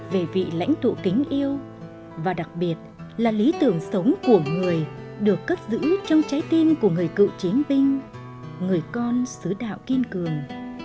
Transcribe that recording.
về vị lãnh tụ kính yêu và đặc biệt là lý tưởng sống của người được cất giữ trong trái tim của người cựu chiến binh người con xứ đạo kiên cường